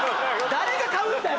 誰が買うんだよ？